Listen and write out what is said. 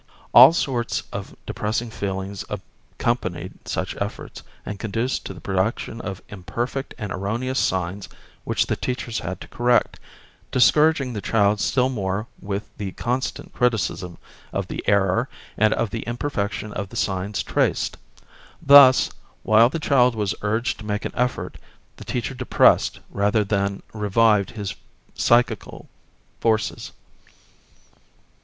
All sorts of depressing feelings accompanied such efforts and conduced to the production of imperfect and erroneous signs which the teachers had to correct, discouraging the child still more with the constant criticism of the error and of the imperfection of the signs traced. Thus, while the child was urged to make an effort, the teacher depressed rather than revived his psychical forces.